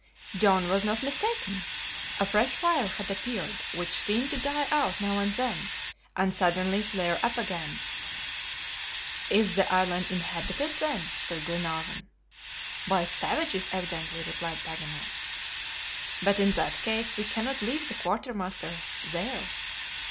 John was not mistaken. A fresh fire had appeared, which seemed to die out now and then, and suddenly flare up again. "Is the island inhabited then?" said Glenarvan. "By savages, evidently," replied Paganel. "But in that case, we cannot leave the quartermaster there."